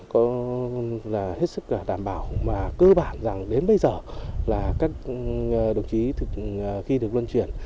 có hết sức đảm bảo và cơ bản rằng đến bây giờ là các đồng chí khi được luân truyền